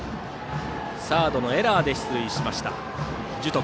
サードのエラーで出塁した樹徳。